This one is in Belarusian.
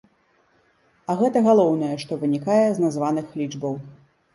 А гэта галоўнае, што вынікае з названых лічбаў.